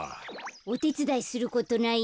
おてつだいすることない？